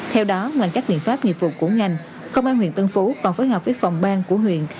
theo đó ngoài các biện pháp nghiệp vụ của ngành công an huyện tân phú còn phối hợp với phòng bang của huyện